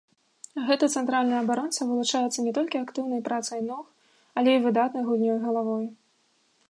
Гэты цэнтральны абаронца вылучаецца не толькі актыўнай працай ног, але і выдатнай гульнёй галавой.